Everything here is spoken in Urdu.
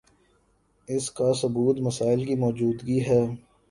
اسکا ثبوت مسائل کی موجودگی ہے